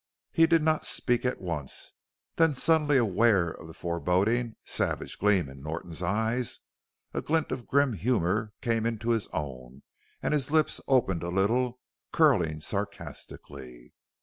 He did not speak at once. Then suddenly aware of the foreboding, savage gleam in Norton's eyes, a glint of grim humor came into his own and his lips opened a little, curling sarcastically.